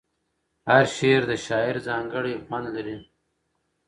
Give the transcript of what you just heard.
هر شعر د شاعر ځانګړی خوند لري.